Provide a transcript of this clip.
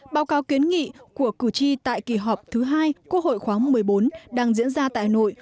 báo cáo kiến nghị của cử tri tại kỳ họp thứ hai quốc hội khóa một mươi bốn đang diễn ra tại nội